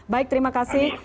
baik terima kasih